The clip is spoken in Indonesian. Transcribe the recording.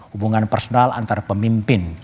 hubungan personal antar pemimpin